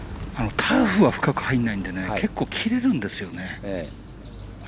ターフは深くはいらないので結構切れるんですよね。